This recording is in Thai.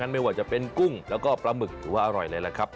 ไม่ว่าจะเป็นกุ้งอร่อยหรือว่าปลาหมึกเลยนะครับ